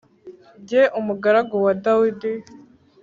jye umugaragu wa Dawidi